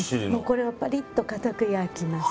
これはパリッと硬く焼きます。